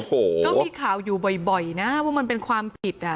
โอ้โหก็มีข่าวอยู่บ่อยนะว่ามันเป็นความผิดอ่ะ